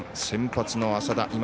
先発の浅田。